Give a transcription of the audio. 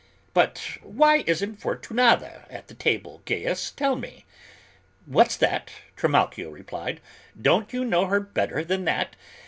"But why isn't Fortunata at the table, Gaius? Tell me." "What's that," Trimalchio replied; "don't you know her better than that?